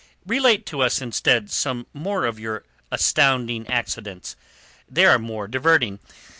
"Relate to us instead some more of your astounding accidents. They are more diverting.